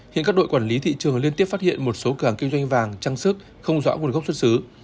hiện các đội quản lý thị trường liên tiếp phát hiện một số cửa hàng kinh doanh vàng trang sức không rõ nguồn gốc xuất xứ